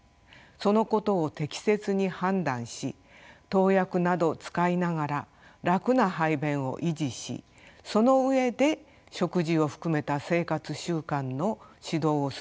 そのことを適切に判断し投薬などを使いながら楽な排便を維持しその上で食事を含めた生活習慣の指導をすることが肝要です。